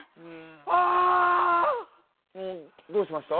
あ！どうしました？